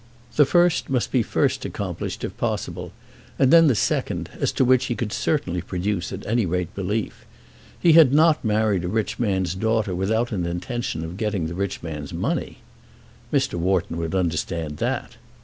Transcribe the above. The first must be first accomplished, if possible, and then the second, as to which he could certainly produce at any rate belief. He had not married a rich man's daughter without an intention of getting the rich man's money! Mr. Wharton would understand that.